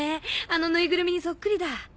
あのぬいぐるみにそっくりだ。